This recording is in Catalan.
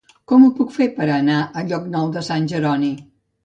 Com ho puc fer per anar a Llocnou de Sant Jeroni?